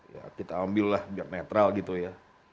ya kita ambillah biar netral gitu ya